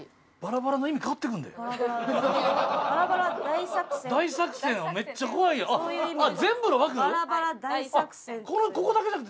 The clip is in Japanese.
バラバラ大作戦という。